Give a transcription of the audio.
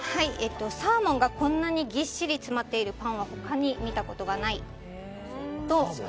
サーモンがこんなにぎっしり詰まっているパンは他に見たことがないと。